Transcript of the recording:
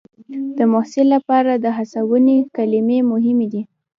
د محصل لپاره د هڅونې کلمې مهمې دي.